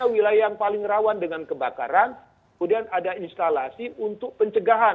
wilayah yang paling rawan dengan kebakaran kemudian ada instalasi untuk pencegahan